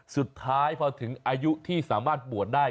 สุดท้ายพอถึงอายุที่สามารถบวชได้